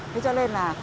thế cho nên là